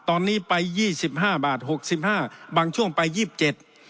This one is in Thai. ตอนนี้ไปยี่สิบห้าบาทหกสิบห้าบางช่วงไปยี่สิบเจ็ด